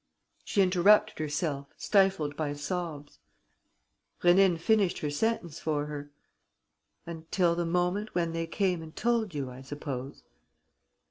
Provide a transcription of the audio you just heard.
She interrupted herself, stifled by sobs. Rénine finished her sentence for her, "Until the moment when they came and told you, I suppose?"